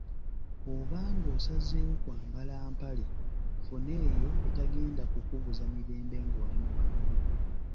Bw’oba ng’osazeewo kwambala mpale funa eyo etagenda kukubuza mirembe ng’oli mu banno.